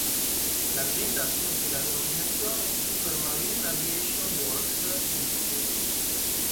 L'azienda assunse la denominazione Supermarine Aviation Works Ltd.